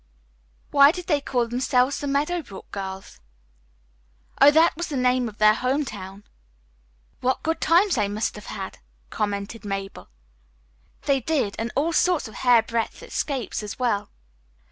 "Why did they call themselves the 'Meadow Brook Girls'?" "Oh, that was the name of their home town." "What good times they must have had," commented Mabel. "They did, and all sorts of hairbreadth escapes as well.